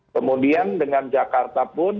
kemudian dengan jakarta pun